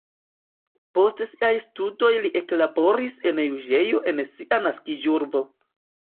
Post siaj studoj li eklaboris en juĝejo en sia naskiĝurbo.